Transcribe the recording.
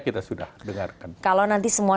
kita sudah dengarkan kalau nanti semua